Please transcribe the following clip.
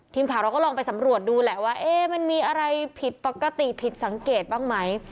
ทีมข่าวเราก็ลองไปสำรวจดูแหละว่ามันมีอะไรผิดปกติผิดสังเกตบ้างไหม